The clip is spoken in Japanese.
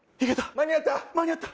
間に合った？